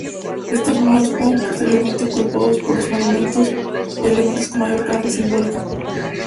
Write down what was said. Estos nodos fueron posteriormente ocupados por los monumentos, elementos con mayor carga simbólica.